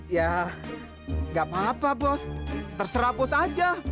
ya nggak apa apa bos terserah bos aja